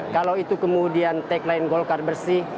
kalau itu kemudian tagline golkar bersih